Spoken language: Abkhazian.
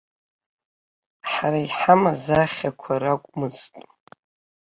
Ҳара иҳамаз ахьақәа ракәмызт.